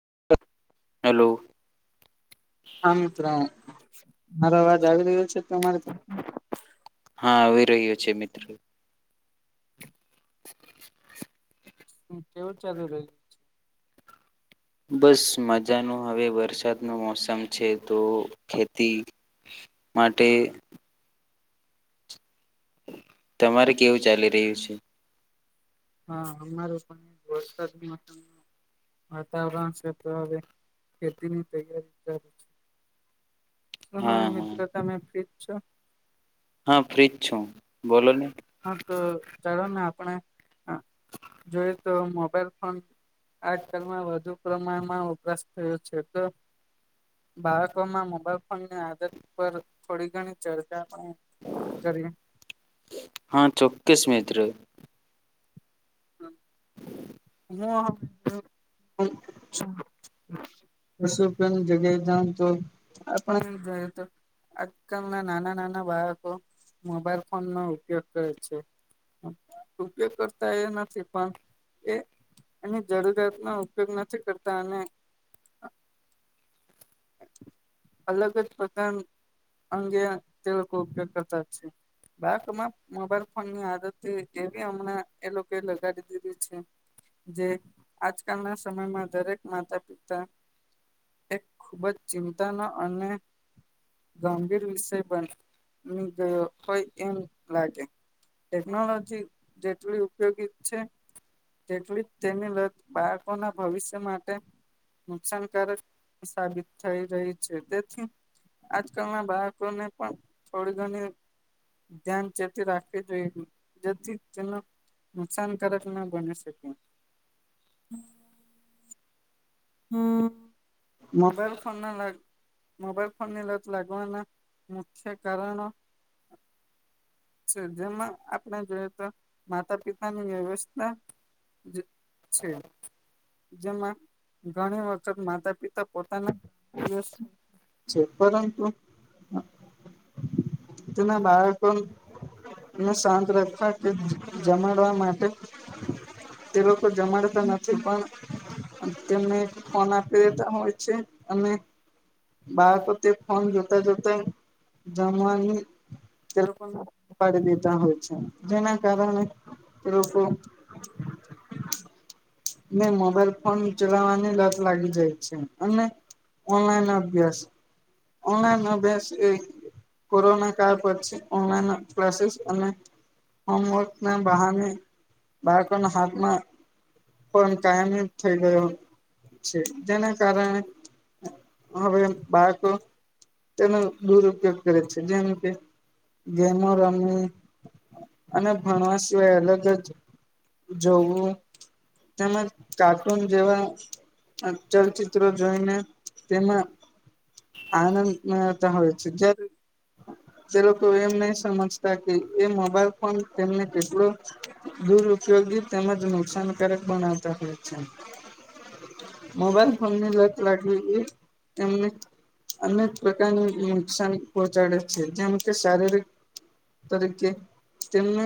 [inaudible] Hello. હા, મિત્ર મારો અવાજ આવી રહ્યો છે, અરે હા, આવી રહ્યો છે, મિત્રો [inaudible] હ, કેવું ચાલુ રહ્યું છે. બસ મજાનું હવે વરસાદ નો મોસમ છે, તો ખેતી. માટે તમારે કેવું ચાલી રહ્યું છે. હા, અમારું પણ વરસાદ નું મોસમ વાતાવરણ છે તો હવે, ખેતીની તૈયારી ચાલુ છે. શું, હાય હા હા મિત્રો તમે ફ્રીજ છો હા ફ્રીજ છું, બોલો ને? હા તો ચાલો ને આપણે જોઈએ, તો મોબાઈલ ફોન આજકાલમાં વધુ પ્રમાણમાં વપરાસ થયો છે, તો બાળકોમાં મોબાઈલ ફોનની, આદત પર થોડી ઘણી ચર્ચા પણ કરીયે હા, ચોક્કસ મિત્ર [unintelligible] પશું પણ જગ્યાએ જાવો ને, તો આપને બી જાય તો આજકાલ, ના નાના, નાના બાળકો મોબાઈલ ફોનનો ઉપયોગ કરે છે. ઉપયોગ કરતા એ નથી, પણ એ એની જરૂરિયાતનો ઉપયોગ નથી, કરતા અને અલગ જ પ્રકાર અંગે તે લોકો ઉપયોગ કરતા જ છે. બાકમાં મોબાઈલ ફોન ની આદત એવી હમણાં એ લોકો લગાડી દીધી છે. જે આજકાલના સમયમાં, દરેક માતા પિતા ખૂબ જ ચિંતાનો અને ગંભીર વિષય બની ગયો હોય, એમ લાગે ટેકનોલોજી જેટલી ઉપયોગી છે, તેટલી જ, તેની લત બાળકોના ભવિષ્ય માટે નુકસાનકારક સાબિત થઈ રહી છે, તેથી આજકાલ ના બાળકો ને પણ થોડી, ઘણી ધ્યાન ચેતી રાખવી જોઈએ, જેથી તેના નુકસાનકારક ના બની શકે હમ, મોબાઈલ ફોન ના લાગ મોબાઈલ, ફોનનીલાત લાગવાના મુખ્ય કારણ જેમાં આપણે જોઈયએ, તો માતા પિતાની વ્યવસ્થા છે, જેમાં ઘણી વખત માતા પિતા પોતાના દ છે, પરંતુ જેના બાળકો ને શાંત રાખવા કે જમાડવા, માટે તે લોકો જમાડતા નથી, પણ તેમને એક ફોન આપી દેતા હોય છે, અને બાળકોતે ફોન જોતા, જોતા જમવાની તે લોકોને પાડી દીધા હોય છે, જેના કારણે તે લોકો ને મોબાઈલ ફોન ચલાવવાની લત લાગી જાય છે, અને ઓનલાઈન અભ્યાસ ઓનલાઈન, અભ્યાસ એ કોરોના કાળ પછી, ઓનલાઈન ક્લાસીસ અને હોમવર્ક ના બહાને બાળકોના, હાથમાં પણ કાયમ થઈ, ગયો છે, જેના કારણે હવે બાળક તેનો દુરપયોગ કરે છે, જેમ કે ગેમર અને અને ભણવા શિવાય એ અલગ જ જોવુ તેમ જ કાર્ટૂન જેવા ચલચિત્ર જોઈને તેમાં આનંદ માં આવતા હોય છે, જ્યારે તે લોકો એમ નહી, સમજતા કે એ મોબાઈલ ફોન તેમને કેટલો દ ુયોગી તેમજ નુકસાનકારક બનાવતા હોય, છે. મોબાઈલ ફોન ની લત લાગવી, જો એને અનેક પ્રકારની નુકસાન પહોંચાડે છે, જેમ કે શારીરિક તરીકે તેમને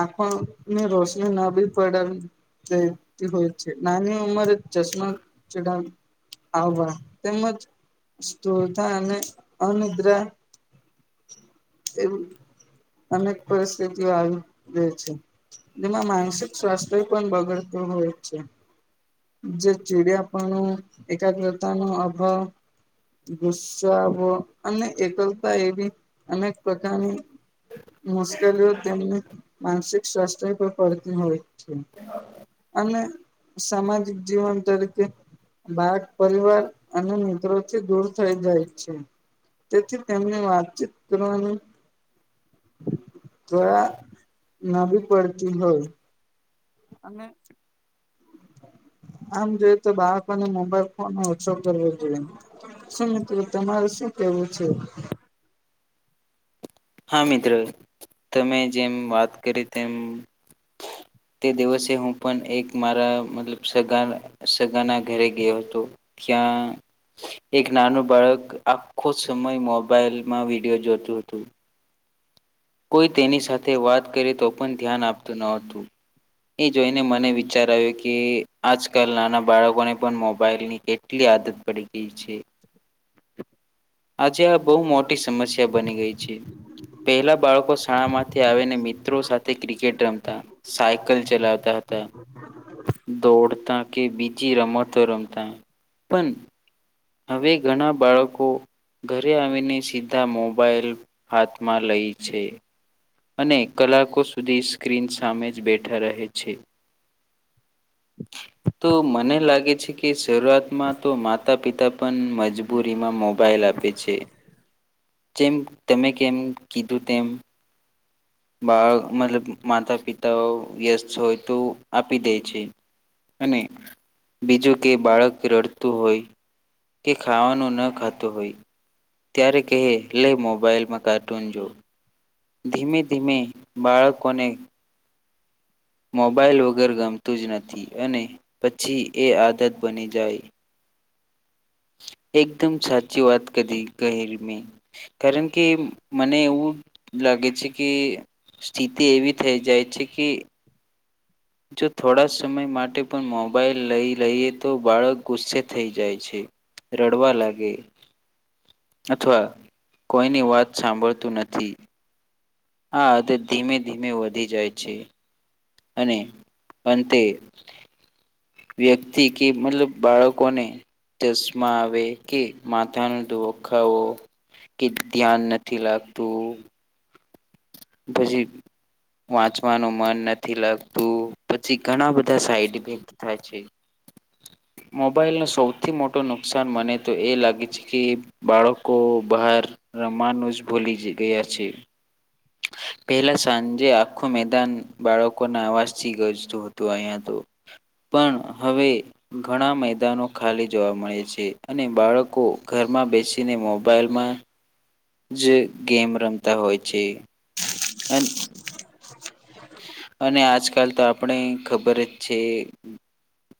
આખો ની રોશની ના બી, પડે તે હોય છે, નાની ઉંમરે ચશ્મા ચડા આવવા, તેમજ સ્ધ અને અનદ્રા એવી અનેક પરિસ્થિતિ આવી ર છે. જેમાં માનસિક સ્વાસ્થ્ય પણ બગડતું હોય, છે જે ચીડિયાપનો એકાગ્રતા નો અભાવ ગુસ્સાઓો અને એકલતા, એવી અનેક પ્રકારની મુશ્કેલીઓ તેમને માનસિક સ્વાસ્થ્ય પર પડતી હોય છે. હ અને સામાજિક, જીવન તરીકે બાળ પરિવાર અને મિત્રો. દૂર થઈ જાય છે, તેથી તેમને વાતચીત કરવાની તોયા નવીી પડતી હોય. અને. આમ જોય તો બાળકોને મોબાઈલ ફોન ઓછો કરવો જોઈએ. શું મિત્રો તમારું શું કેવું છે? હા મિત્ર તમે જેમ વાત કરી તેમ [inaudible] તે દિવસે હું પણ એક મારા મતલબ સગા સગાના ઘરે ગયો હતો. ક્યા? એક નાનું બાળક આખો સમય મોબાઈલમાં વિડીિયો જોતું હતું. કોઈ તેની સાથે વાત કરીે તો પણ ધ્યાન આપતું ન હતું. એ જોઈને મને વિચાર આવ્યો કે આજકાલ નાના બાળકોને પણ મોબાઈલની કેટલી આદત પડી ગઈ છે. આજે આ બહું મોટી સમસ્યા બની ગઈ છે. પહેલા બાળકો શાળામાંથી આવીને મિત્રો સાથે ક્રિકેટ રમતા, સાયકલ ચલાવતા તે દોડતા કે બીજી રમતો રમતા પણ હવે ઘણા બાળકો ઘરે આવીને સીધા મોબાઈલ હાથમાં લઈ છે. અને કલાકો સુધી સ્ક્રીન સામે જ બેઠા રહે છે. [inaudible] તો મને લાગે છે કે શરૂઆતમાં તો માતા- પિતા પણ મજબૂત પુરીમાં મોબાઈલ આપે છે. જેેમ તમે કેમ કીધુ તેમ. બાળ મતલબ માતા-પિતાઓ વ્યસ્ત હોય તો આપી દે છે. અને બીજું કે બાળક રડતું હોય. કે ખાવાનું ન ખાતોું હોય. ત્યારે કહે લઈ મોબાાઈલમાં કાર્ટૂન જોવ. ધીમે -ધીમે બાળકોને મોબાઈલ વગર ગમતું જ નથી અને પછી એ આદત બની જાય. [inaudible] એકદમ સાચી વાત કરી કહે મે કારણ કે મને એવું લાગે છે કે સ્થિતિ એવી થઈ જાય છે કે જો થોડા સમય માટે પણ મોબાઈલ લઈ લઈએ તો બાળક ગુસ્સે થઈ જાય છે. રડવા લાગે. અથવા કોઈની વાત સાંભળતું નથી. હા તે ધીમે ધીમે વધી જાય છે. અને અંતે એક વ્યક્તિ કે મતલબ બાળકોને ચશ્માં આવે કે માથા ન દુખાવો કે ધ્યાન નથી લાગતું પછી, વાંચવાનું મન નથી લાગતું. પછી ઘણા બધા સાઈડ ઇફેક્ટ થાય છે. [inaudible] મોબાઈલનો સૌથી મોટો નુકસાન મને તો એ લાગે છે કે બાળકો બહાર રમવાનુ જ ભુલી જ ગયા છે. [inaudible] પહેલા સાંજે આખું મેદાન બાળકોના અવાજથી ગજતું હતું અહિયા તો પણ હવે ઘણા મેદાનો ખાલી જોવા મળે છે અને બાળકો ઘ- ઘરમાં બેસીને મોબાઈલમાં જે ગેમ રમતા હોય છે અને અને આજકાલ તો આપણે ખબર જ છે.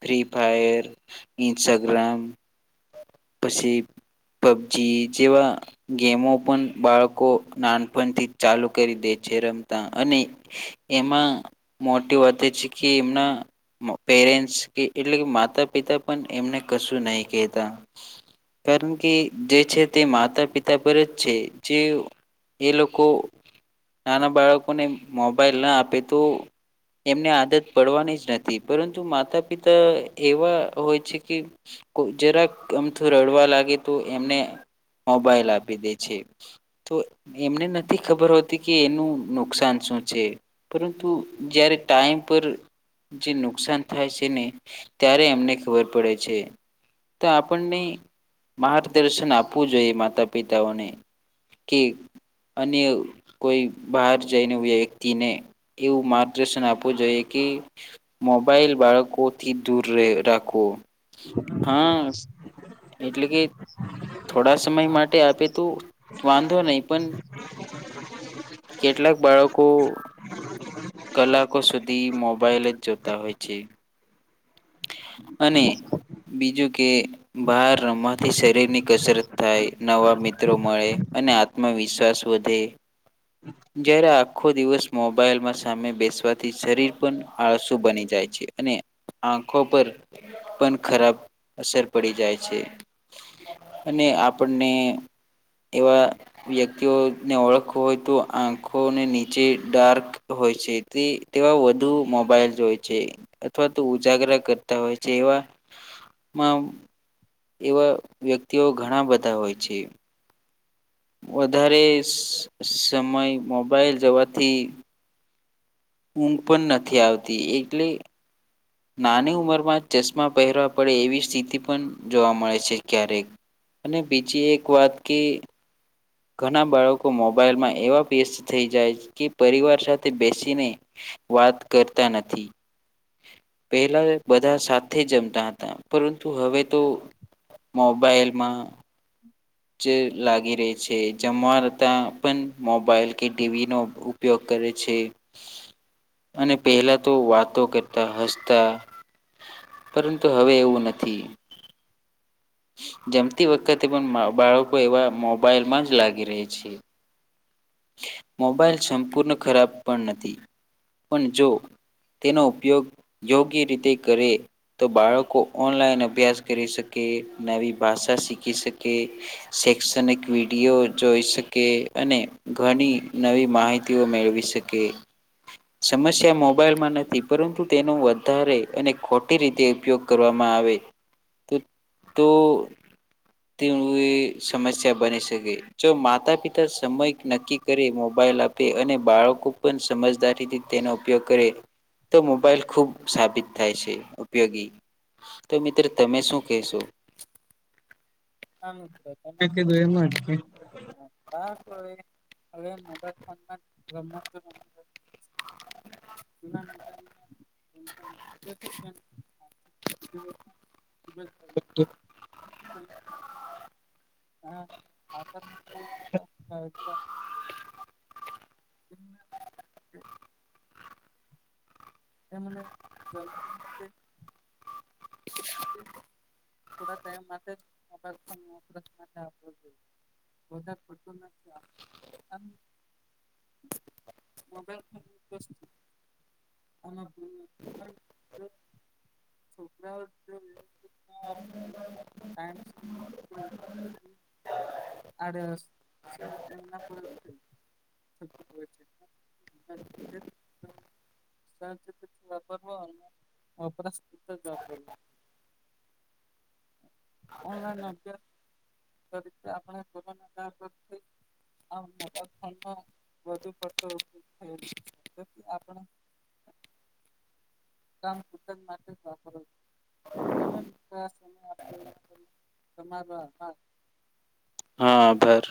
ફ્રી ફાયર, ઇન્સ્ટાગ્રામ પછી પબજી જેવા ગેમો પણ બાળકો નાનપણથી ચાલુ કરી દે જે રમતા અને એમાં મોટી વાત છે કે, એમના પેરેન્ટસ કે, એટલે કે માતા પિત- તો પણ એમને કશું નહીં કહેતા. કારણ કે જે છે, તે માતા પિતા પર જ છે જે એ લોકો નાના બાળકોને મોબાઈલ ના આપે તો એમને આદત પડવાની જ નથી, પરંતુ માતા-પિતા એવા હોય છે કે જરા ક અમથુ રડવા લાગે તો એમને મોબાઈલ આપી દે છે, તો એમને નથી ખબર હોતી કે એનું નુકસાન છે. છે. પરંતુ જ્યારે ટાઈમ પર જે નુકસાન થાય છે ને, ત્યારે એમને ખબર પડે છે. તો, આપણને માર્ગદર્શન આપવું જોઈએ માતા-પિતાઓને. કે અન્ય કોઈ બહાર જઈને ને એવું માર્ગદર્શન આપવું જોઈએ કે, મોબાઈલ બાળકોથી દૂર રહે. દૂર રાખો. હ. [unintelligible] એટલે કે થોડા સમય માટે આપે તો વાંધો નહીં પણ [unintelligible] કેટલાક બાળકો કલાકો સુધી મોબાઈલ જ જોતા હોય છે. અને બીજું કે, બહાર રમવાથી શરીરની કસરત થાય, નવા મિત્રો મળે. અને આત્મવિશ્વાસ વધે. જ્યારે આખો દિવસ મોબાઈલમાં સામે બેસવાથી શરીર પણ આળસુ બની જાય છે. અને આંખો પર પણ ખરાબ અસર પડી જાય છે. અને આપણને એવા વ્યક્તિઓને ઓળખવું હોય તો. આંખો ને નીચે ડાર્ક હોય છે, તે તેવા વધુ મોબાઈલ જુએ છે. અથવા તો ઉજાગરા કરતા હોય છે, એવા માં એવા વ્યક્તિઓ ઘણા બધા હોય છે. વધારે સ- સમય મોબાઈલ જવાથી. ઊંઘ પણ નથી આવતી, એટલે નાની ઉંમરમાં ચશ્મા પહેરવા પડે, એવી સ્થિતિ પણ જોવા મળે છે ક્યારેક અને બીજી એક વાત કે ઘણા બાળકો મોબાઈલમાં એવા વ્યસ્ત થઈ જાય કે, પરિવાર સાથે બેસીને. વાત કરતા નથી. [unintelligible] પહેલા બધા સાથે જમતા હતા, પરંતુ હવે તો. મોબાઈલમાં લાગી રહી છે, જમતા પણ મોબાઈલ કે ટીવી નો ઉપયોગ કરે છે, અને પહેલા તો વાતો કરતા, હસતા. પરંતુ હવે એવું નથી. જમતી વખતે પણ બાળકો એવા મોબાઈલમાં જ લાગી રહે છે. મોબાઈલ સંપૂર્ણ ખરાબ પણ નથી, પણ જો તેનો ઉપયોગ યોગ્ય રીતે કરે, તો બાળકો ઓનલાઈન અભ્યાસ કરી શકે. નવી ભાષા શીખી શકે, શૈક્ષણિક વિડીયો જોઈ શકે, અને ઘણી નવી માહિતીઓ મેળવી શકે. સમસ્યા મોબાઈલમાં નથી, પરંતુ તેનો વધારે અને ખોટી રીતે ઉપયોગ કરવામાં. આવે તો તે એ સમસ્યા બની શકે જો માતા પિતા સમય નક્કી કરી મોબાઈલ આપે અને બાળકો પણ સમજદારીથી તેનો ઉપયોગ કરે તો મોબાઈલ ખુબ સાબિત થાય છે ઉપયોગી. તો મિત્ર તમે શું કહેશો આ તમે કીધું એમ જ. હ તો હવે મદ રત એ [unintelligible] હા આ હમ એમ જંતચતે થોડા ટાઈમ માટે જ તમને મોબાઈલ આપ્યો હતો. વધારે પડતું નથી આ મોબાઈલ ફોન અને છોકરાઓ એનો ઉપયોગ ના કરે થેન્ક્સ ટુ યુ આડ અસર એમના પર થઈ આ ખૂબ જ ખરાબ ટેવ છે. આ વ્યવસ્થિત વાપરવો અને વપરાશ પુરતો જ વાપરવો ઓનલાઈન અભજાર કોઈપણ રીતે પોતાનું કામ પોતે આ મોબાઈલ ફોન નો વધુ પડતો ઉપયોગ થયો છે. કામ પૂરતા માટે જ વાપરવો તમે તમે સમય આપ્યો તે બદલ આભાર હા આભાર